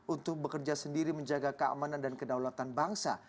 untuk bekerja sendiri menjaga keamanan dan kedaulatan bangsa